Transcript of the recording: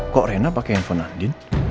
kok rena pake handphone andin